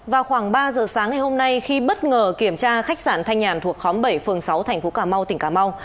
vào khoảng ba giờ sáng ngày hôm nay khi bất ngờ kiểm tra khách sạn thanh nhàn thuộc khóm bảy phường sáu tp cà mau tỉnh cà mau